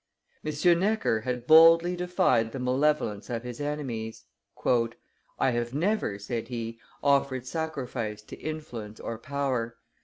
M. Necker had boldly defied the malevolence of his enemies. "I have never," said he, "offered sacrifice to influence or power.